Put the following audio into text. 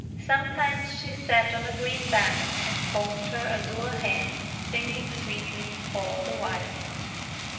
Some times she sat on the green bank, and combed her azure hair, singing sweetly all the while.